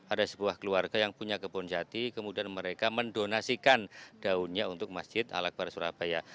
ada sebuah keluarga yang punya kebun jati kemudian mereka mendonasikan daunnya untuk masjid al akbar surabaya